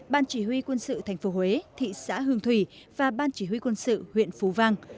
ban chỉ huy quân sự tp huế thị xã hương thủy và ban chỉ huy quân sự huyện phú vang